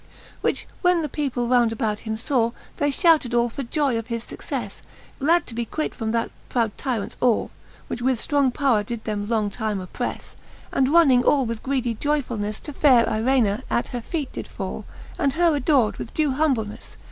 Which when the people round about him faw, They fhouted all for joy of his fuccefie, Glad to be quit from that proud tyrants awe, Which with ftrong powre did them long time opprefTe : And running all with greedic joyfulnefle To faire Ireney at her feet did fall, And her adored with due humblenefle.